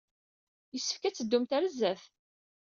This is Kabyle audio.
Yessefk ad teddumt ɣer sdat.